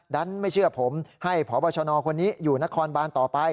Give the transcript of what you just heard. ไม่เชื่อผมให้พบชนคนนี้อยู่นครบานต่อไป